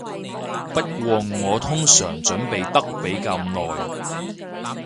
不過我通常準備得比較耐